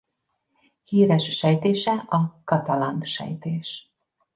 Híres sejtése a Catalan-sejtés.